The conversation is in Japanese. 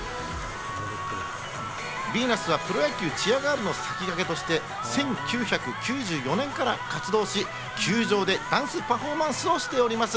ヴィーナスはプロ野球チアガールの先駆けとして１９９４年から活動し、球場でダンスパフォーマンスをしております。